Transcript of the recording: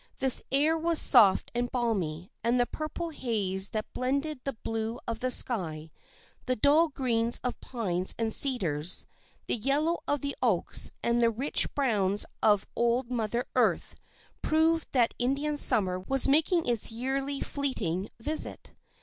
The air was soft and balmy, and the purple haze that blended the blue of the sky, the dull greens of pines and cedars, the yellow of the oaks and the rich browns of old Mother Earth, proved that Indian summer was making its yearly fleeting visit.